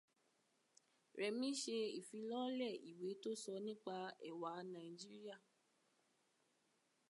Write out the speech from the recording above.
Rẹ̀mí ṣe ìfilọ́lẹ̀ ìwé tó sọ nípa ẹ̀wa Nàíjíríà.